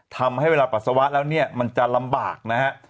ทำให้เวลาปัสสาวะแล้วเนี่ยมันจะลำบากนะฮะ